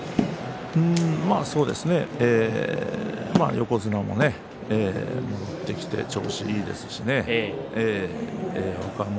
横綱もね戻ってきて調子がいいですし若元